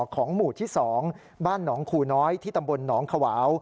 ของหมู่ที่๒บ้านหนองคูน้อยที่ตำบลหนองขวาว